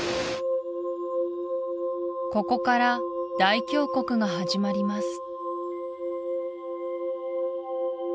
ここから大峡谷が始まります